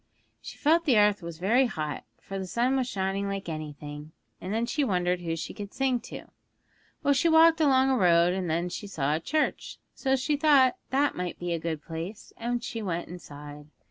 She felt the earth was very hot, for the sun was shining like anything, and then she wondered who she could sing to. Well, she walked along a road, and then she saw a church, so she thought that must be a good place, and she went inside.